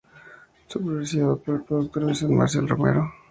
Supervisada por el productor Vicente Mariscal Romero.